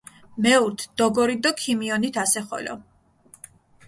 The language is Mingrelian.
მეურთ, დოგორით დო ქიმიონით ასე ხოლო.